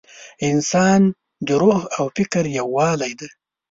انسان د روح او فکر یووالی دی.